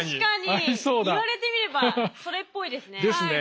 言われてみればそれっぽいですね。ですね。